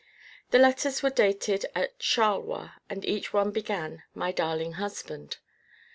The letters were dated at Charleroi and each one began: "My darling husband."